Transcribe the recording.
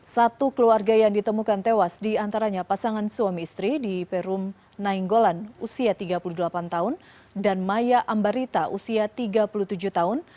satu keluarga yang ditemukan tewas diantaranya pasangan suami istri di perum nainggolan usia tiga puluh delapan tahun dan maya ambarita usia tiga puluh tujuh tahun